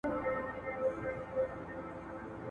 ایوب خان چي مشري ئې کوله، یو غازي وو.